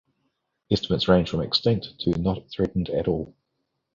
Estimates range from extinct to not threatened at all.